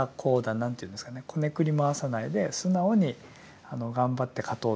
何ていうんですかねこねくり回さないで素直に頑張って勝とう。